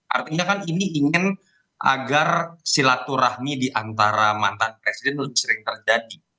artinya kan ini ingin agar silaturahmi diantara mantan presiden lebih sering terjadi